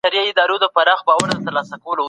علمي حقايق د مشاهدې پر بنسټ ثابتېږي.